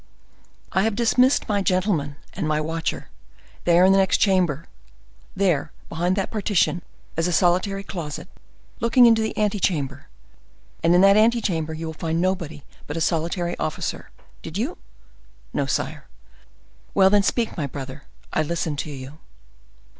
"I have dismissed my gentleman and my watcher; they are in the next chamber. There, behind that partition, is a solitary closet, looking into the ante chamber, and in that ante chamber you found nobody but a solitary officer, did you?" "No, sire." "Well, then, speak, my brother; I listen to you."